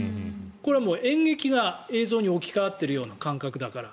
これはもう演劇が映像に置き換わっている感覚だから。